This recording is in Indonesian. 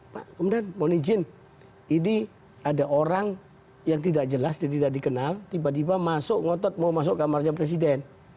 pak kemudian mohon izin ini ada orang yang tidak jelas dia tidak dikenal tiba tiba masuk ngotot mau masuk kamarnya presiden